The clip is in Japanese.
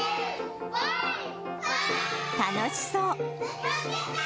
楽しそう。